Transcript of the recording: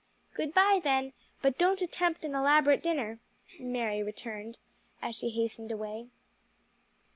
"Good bye then, but don't attempt an elaborate dinner," Mary returned, as she hastened away.